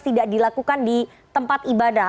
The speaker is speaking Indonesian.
tidak dilakukan di tempat ibadah